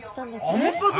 「アメパト」。